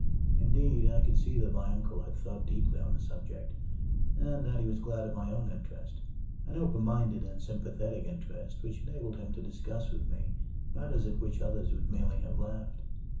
Indeed, I could see that my uncle had thought deeply on the subject, and that he was glad of my own interest an open minded and sympathetic interest which enabled him to discuss with me matters at which others would merely have laughed.